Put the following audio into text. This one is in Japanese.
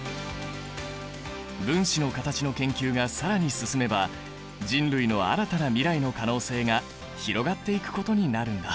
分子の形の研究が更に進めば人類の新たな未来の可能性が広がっていくことになるんだ。